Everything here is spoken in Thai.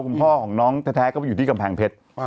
คุณพ่อของน้องแท้ก็ไปอยู่ที่กำแพงเพชร